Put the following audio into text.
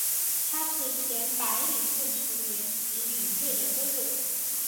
他是前白礼顿球员及领队的哥哥。